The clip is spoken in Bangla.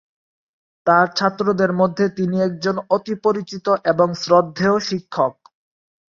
তার ছাত্রদের মধ্যে তিনি একজন অতি পরিচিত এবং শ্রদ্ধেয় শিক্ষক।